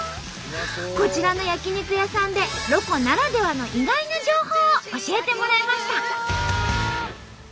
こちらの焼き肉屋さんでロコならではの意外な情報を教えてもらいました！